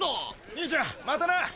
・兄ちゃんまたな！